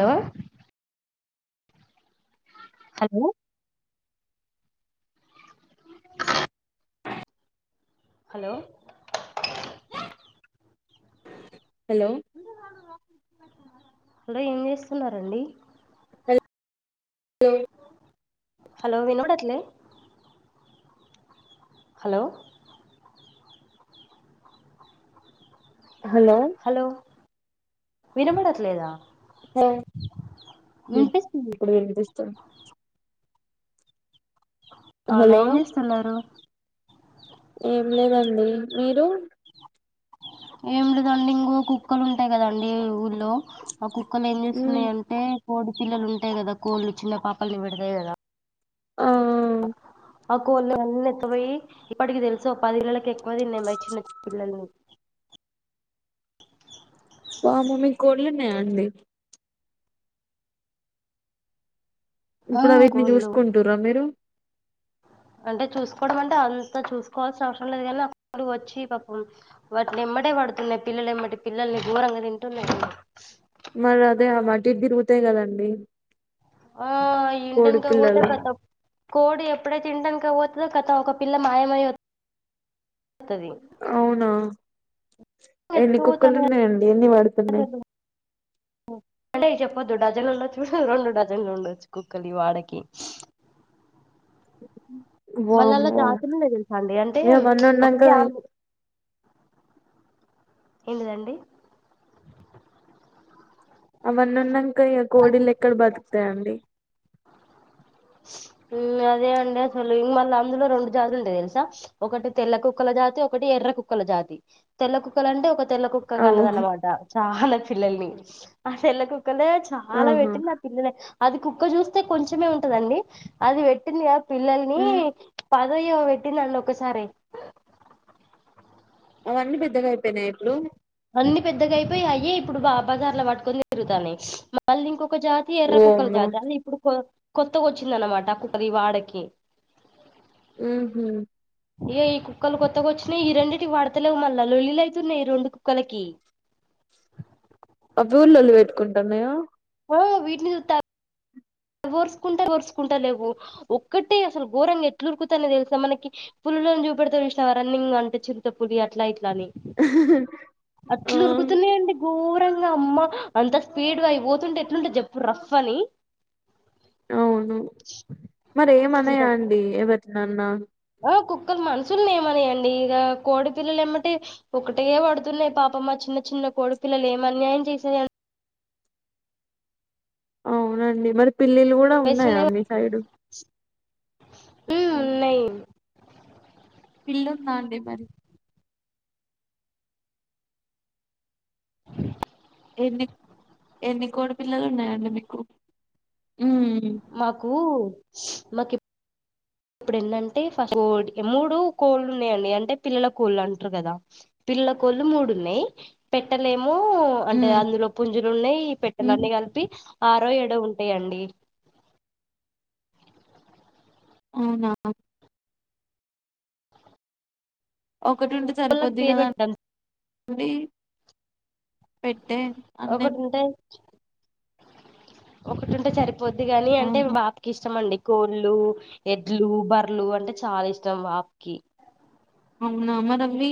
Hello hello hello hello hello ఏం చేస్తున్నారండి hello hello వినబడట్లే హలో హలో హలో వినబడట్లేదా హలో వినిపిస్తుంది ఇప్పుడు వినిపిస్తుంది అవునా హలో ఏం చేస్తున్నారు ఏం లేదండి మీరు ఏమి లేదండి ఇంగో కుక్కలు ఉంటాయి కదండి ఊళ్ళో ఆ కుక్కలు ఏం మ్ చేస్తున్నాయి అంటే కోడి పిల్లలు ఉంటాయి కదా కోళ్ళు చిన్న పాపలని పెడతాయి కదా ఆ ఆ కోళ్లన్నీ ఎత్తపోయి ఇప్పటికి తెలుసు పదిళ్లకి ఎక్కువ తిన్నాయి మరి చిన్న చిన్న పిల్లల్ని పాపం మీకు కోళ్ళున్నాయ అండి ఆ ఇప్పుడు వీటిని కోళ్ళు చూసుకుంటుర మీరు అంటే చూసుకోవడం అంటే అంత చూసుకోవాల్సిన అవసరం లేదు కానీ అక్కడ వచ్చి పాపం వాటిని ఎమ్మటె పడుతున్నాయి పిల్లలు ఏమ్మటి పిల్లల్ని ఘోరంగా తింటున్నాయి మరి అదే ఆ మటికి తిరుగుతాయి కదండి ఆ ఇంటి కోడి వెనకకి పోతే పిల్లలు ఖతం కోడు ఎప్పుడైతే ఇంటి వెనకకి పోతుందో కతం ఒక పిల్ల మాయమయి వత్త తది అవునా ఎన్ని కుక్కలు ఉన్నాయండి ఎన్ని వడుతున్నయి అ అంటే చెప్పొద్దు డజన్ ఉండొచ్చు రెండు డజన్లు ఉండొచ్చు కుక్కలివాడకి మళ్ళ అల్ల వామ్మో జాతులున్నయి తెలుసా అండి అంటే ఇగ అవన్నీ ఒక ఉన్నాంక ఫ్యామిలీ ఎంటిదండీ అవన్నీ ఉన్నాంక ఇగ కోడీలు ఎక్కడ బతుకుతాయండి హమ్ అదే అండి అసలు ఇంగ మళ్ళీ అందులో రెండు జాతులు ఉంటయి తెలుసా ఒకటి తెల్ల కుక్కల జాతి ఒకటి ఎర్ర కుక్కల జాతి తెల్ల కుక్కల అంటే ఒక తెల్ల కుక్క అవు కన్నదనమాట చాలా పిల్లల్ని ఆ తెల్ల కుక్కలే చాలా ఆహా పెట్టిన పిల్లలే అది కుక్క చూస్తే కొంచమే ఉంటదండి అది పెట్టిందిగా పిల్లల్ని మ్ పదో ఏమో పెట్టింది అండి ఒకసారే అవన్నీ పెద్దగా అయిపోయినాయ ఇప్పుడు అన్ని పెద్దగా అయిపోయి అయ్యే ఇప్పుడు బా బాజార్లో పట్టుకొని తిరుగుతాన్నాయి మళ్ళీ ఇంకొక జాతి తి ఎర్ర కుక్కలు ఓమ్మో జతీ అది ఇప్పుడు కొత్తగా వచ్చింది అనమాట ఆ కుక్కలు ఈ వాడకి హు హామ్ ఇగ ఈ కుక్కలు కొత్తగా వచ్చినాయి ఈ రెండిటివి పడతలేవు మళ్ళా లోల్లీలు అయితున్నాయి రెండు కుక్కలకి అవి కూడా లొల్లి పెట్టుకుంటాన్నాయా ఆ వీటిని చూస్తే ఓరుసుకుంటా ఓరుసుకుంటా లేవు ఒక్కటే అసలు ఘోరంగా ఎట్లురుకుతని తెలుసా మనకి పులులను చూపెడతరు చూసినవా రన్నింగ్ లో అంటే చిరుత పులి అట్లా ఇట్ల అని ఆ అట్లు ఉరుకుతున్నాయ ఏంటి ఘోరంగా అమ్మ అంత స్పీడ్గా అయి పోతుంటే ఎట్లుంటే జప్పు రఫ్ అని అవును మరి ఏమనయా అంత అండి ఎవరినన్నా ఆ కుక్కలు మనుషుల్ని ఏమనియండి ఇగ కోడి పిల్లలు ఎమ్మటే ఒకటే పడుతున్నాయి పాపం ఆ చిన్న చిన్న కొడి పిల్లలు ఏం అన్యాయం చేసినాయో అవునండి మరి పిల్లిలు కూడా ఉన్నాయా మీ సైడు ఉం ఉం న [unintelligible] పిల్లుందా అండి మరి ఎన్ని ఎన్ని కోడిపిల్లలు ఉన్నాయండి మీకు ఉమ్ మాకు మాకి ఇప్పుడు ఎన్నంటే ఫస్ట్ కో మూడు కోళ్ళు ఉన్నాయండి అంటే పిల్లల కోళ్ళు అంటారు కదా పిల్లల కోళ్ళు మూడు ఉన్నాయి పెట్టలేమో అంటే ఉమ్ అందులో పుంజులు ఉన్నాయి ఈ ఉమ్ పెట్టలన్నీ కలిపి ఆరో ఏడో ఉంటాయండి అవునా ఒకటి ఉంటే కోళ్ళకి సరిపోద్ది పేరు పెట్టడం కదాండి పెట్టే అన్నెందు ఒకటింటే ఒకటింటే సరిపోద్ది కాని అంటే ఆహా బాబుకి ఇష్ ఇష్టమ అండి కోళ్ళు ఎడ్లు బర్రలు అంటే చాలా ఇష్టం బాబుకి అవునా మరి అవి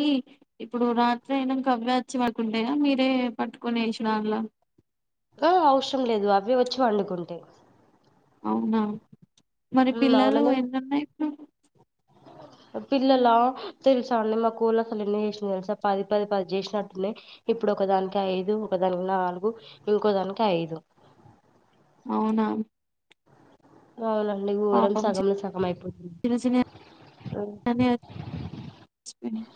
ఇప్పుడు రాత్రి అయినాక అవ్వే వచ్చి పడుకుంటాయా మీరే పట్టుకొని వేసిరా అల్ల కో అవసరం లేదు అవి వచ్చి పండుకుంటాయి అవునా మరి పిల్లలు ఎన్నీ ఉన్నాయి ఇప్పుడు [inaudible] పిల్లల తెలుసా అండి మా కోళ్ళ అసలు ఎన్ని చేసిన తెలుసా పది పది పది చేసినట్టు ఉన్నాయి ఇప్పుడు ఒకదానికి ఐదు ఒకదానికి నాలుగు ఇంకో దానికి ఐదు అవునా అవునండి ఊరం పాపం సగంలో సగం అయిపోతుంది చిన్న ప్ప [unintelligible]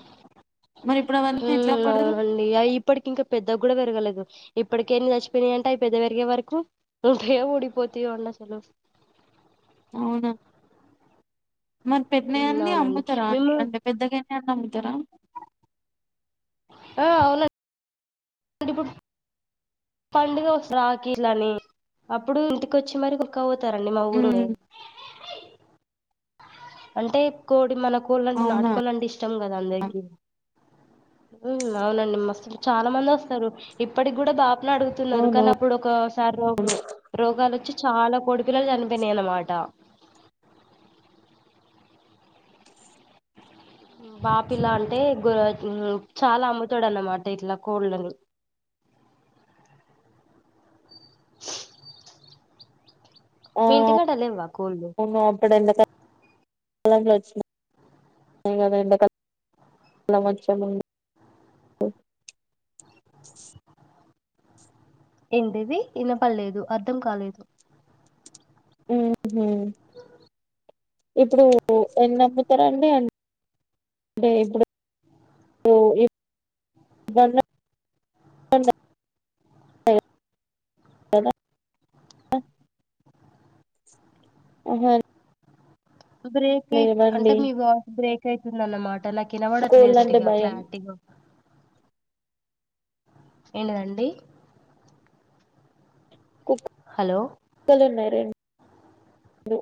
ఉమ్ అవునండి ఇగ ఇప్పటికి ఇంకా పెద్ద కూడా పెరగలేదు ఇప్పటికే అన్ని చచ్చిపోయినాయ అంటే అవి పెద్ద పెరిగే వరకు ఉంటాయో ఊడిపోతయో అండి అసలు అవునా మరి మ్మ్ పెట్టినీయన్నీ అవునండి అమ్ముతారా అండి మేము అంటే పెద్దగా అమ్ముతారా ఆ అవునం అంటే ఇప్ పండుగ వస్ రాఖీలని అప్పుడు ఇంటికోచ్చి మరి పట్టుక్ పోతారండి మా ఊరోళ్ళే ఉమ్ అంటే కోడి మన కోళ్ళంటే అవునా నాటుకోల్లు అంటే ఇష్టం కదా అందరికిీ మ్ అవునండి మస్తు చాలా మంది వస్తారు ఇప్పటికి కూడా బాపునడుగ్ తున్నారు అవును కానీ అప్పుడు ఒకసారి రోగాలు వచ్చి చాలా కోడిపిల్లలు చనిపోయినాయి అనమాట బాపిలా అంటే చాలా అమ్ముతాడన్నమాట ఇట్లా కోళ్ళను ఆ మీ ఇంటికాడ లేవా కోళ్ళు నువ్ అప్పుడెందుకట్ కర్ లు వచ్చిన ఎండకాలం వచ్చేముందు ఏంటిది విన పడలేదు అర్ధం కాలేదు మ్ హు ఇప్పుడు ఎన్నమ్ముతారండి అం అంటే ఇప్పుడు ఉన్నాయి. ఆహా బ్రేక్ అయి అంటే లేవండి మీ వాయిస్ బ్రేక్ అవుతుందన్నమాట నాకు వినవడట్లేదు కోళ్ళంటే అంటీగ భయం క్లారిటీగా ఏంటదండి కుక్ హలో కలున్నాయి రెండ్ డు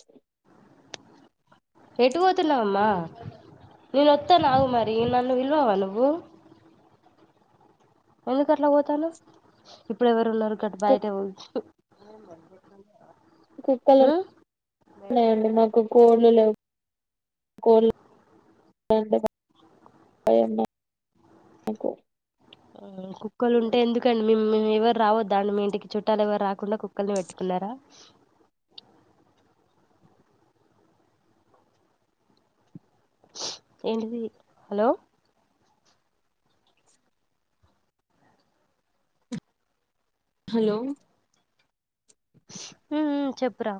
ఎటు పోతున్నావమ్మా నేను వస్తా నాగు మరి నన్ను విలువావా నువ్వు. ఎందుకు అట్లా పోతాను ఇప్పుడు ఎవరు ఉన్నారు గట్ కు బయటే పోచ్చు. [inaudible] కుక్కలున్నాయండి మాకు కోళ్లు లేవు కోల్లు [unintelligible] ఏమో మాకు కుక్కలు ఉంటే ఎందుకండి మిం మేము ఎవరు రావద్దా అండి మీ ఇంటికి చుట్టాలు ఎవరు రాకుండా కుక్కల్ని పెట్టుకున్నారా ఏంటిది హలో హలో మ్ మ్ చెప్పురా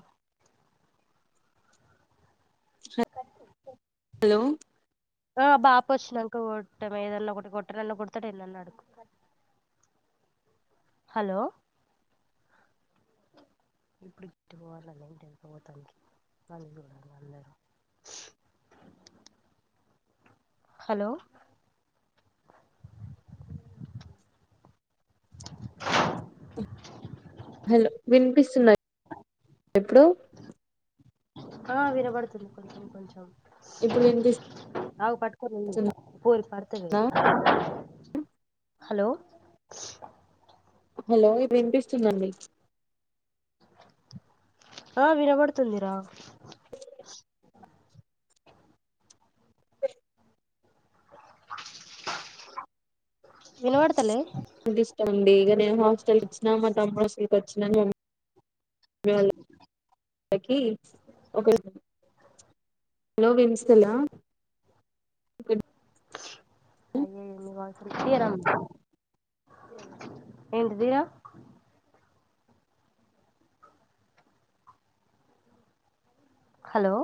హలో ఆ బాప వచ్చినాంక కొట్టం ఏదన్నా ఒకటి కొట్ట నన్న కొడతాడు ఎన్నా అడుకు. హలో ఇప్పుడు గట్టుకోవాలని ఏంటి వెళకపోతానికి అళ చూడి అందరూ. హలో హలో వినిపిస్తుందా ఇప్పుడు ఆ వినబడుతుంది కొంచెం కొంచెం ఇప్పుడు వినిపిస్ హలో హలో వినిపిస్తుందండి ఆ వినబడుతుందిరా వినపడుతలే వినిపిస్తుంది ఇగ నేను హాస్టల్ కి వచ్చిన మా తమ్ముడు సీటు వచ్చిందని పో మీవాల్ నాకి ఒకళ్ళు హలో వినిపిస్తుంద అయ్యెయ్యో [unintelligible] ఏంటిది రా హలో